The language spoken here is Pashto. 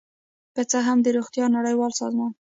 که څه هم د روغتیا نړیوال سازمان